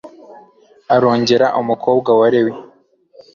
arongora umukobwa wa Lewi